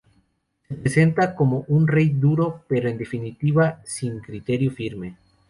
Se presenta como un rey duro, pero en definitiva sin criterio firme.